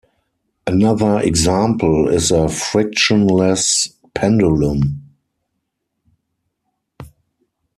Another example is a frictionless pendulum.